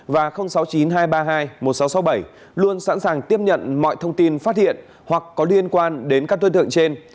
và sáu mươi chín hai trăm ba mươi hai một nghìn sáu trăm sáu mươi bảy luôn sẵn sàng tiếp nhận mọi thông tin phát hiện hoặc có liên quan đến các đối tượng trên